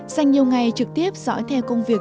dành nhiều ngày trực tiếp dõi theo công việc